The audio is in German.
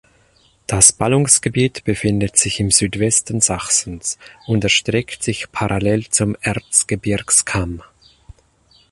Das Ballungsgebiet befindet sich im Südwesten Sachsens und erstreckt sich parallel zum Erzgebirgskamm.